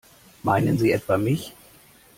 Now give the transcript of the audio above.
Meinen Sie etwa mich?